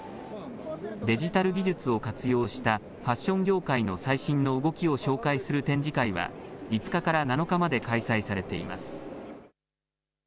デジタル技術を活用したファッション業界の最新の動きを紹介する展示会は５日から７日まで開催されています。